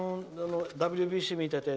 ＷＢＣを見てて。